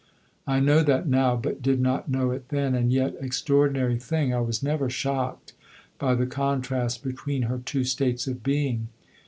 I know that now, but did not know it then; and yet extraordinary thing I was never shocked by the contrast between her two states of being.